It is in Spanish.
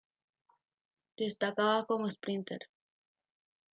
Destacaba como sprinter.